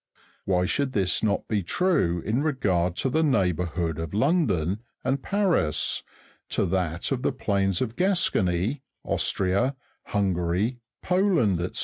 Why should this not be true in regard to the neighbourhood of London and Paris; to that of the plains of Gascony, Austria, Hungary, Poland, &,c.